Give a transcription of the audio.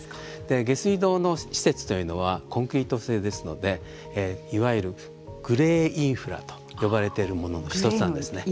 下水道の施設というのはコンクリート製ですのでいわゆるグレーインフラと呼ばれているものの１つなんですね。